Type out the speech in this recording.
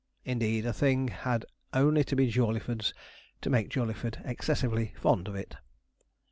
Indeed, a thing had only to be Jawleyford's, to make Jawleyford excessively fond of it.